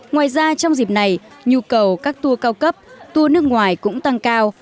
ngoài ra trong dịp này nhu cầu các tour cao cấp tour nước ngoài cũng tăng cao